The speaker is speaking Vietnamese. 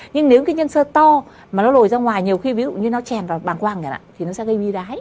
nhưng nếu cái nhân sơ to mà nó lồi ra ngoài nhiều khi ví dụ như nó chèn vào bằng quàng này thì nó sẽ gây vi đái